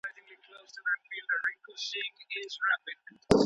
حضوري ټولګي د مجازي درسونو په پرتله څومره وخت نیسي؟